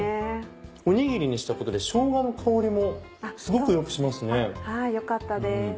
おにぎりにしたことでしょうがの香りもすごくよくしますね。